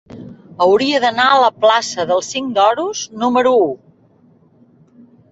Hauria d'anar a la plaça del Cinc d'Oros número u.